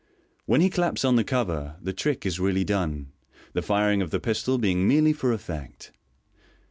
When he claps on the cover, the trick is really done, the firing of the pistol being merely for effect.